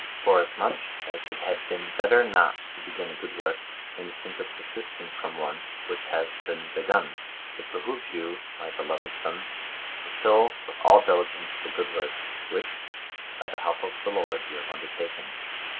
_ Forasmuch as it had been better not to begin a good work, than to think of desisting from one which has been begun, it behoves you, my beloved sons, to fulfil with all diligence the good work, which, by the help of the Lord, you have undertaken.